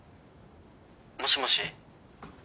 もしもし？